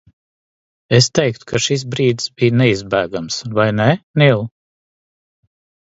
Es teiktu, ka šis brīdis bija neizbēgams, vai ne, Nīl?